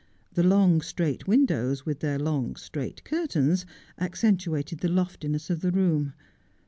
The long, straight windows, with their long, straight curtains, accentuated the lofti ness of the room.